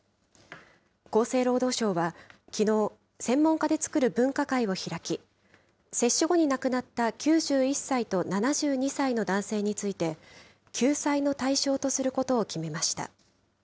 厚生労働省はきのう、専門家で作る分科会を開き、接種後に亡くなった９１歳と７２歳の男性について、救済の対象とすることを決めました。